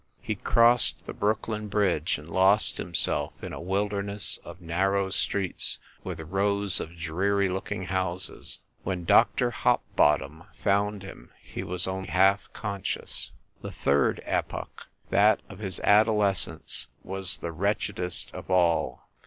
... He crossed the Brooklyn Bridge and lost himself in a wilderness of narrow streets with rows of dreary looking houses. ... When Dr. Hopbottom found him, he was only half con scious. .... The third epoch, that of his adolescence, was the wretchedest of all.